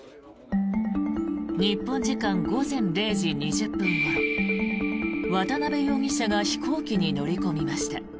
日本時間午前０時２０分ごろ渡邉容疑者が飛行機に乗り込みました。